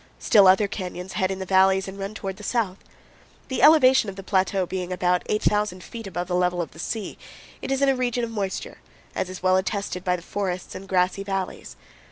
Still other canyons head in the valleys and run toward the south. The elevation of the plateau being about 8,000 feet above the level of the sea, it is in a region of moisture, as is well attested by the forests and grassy valleys.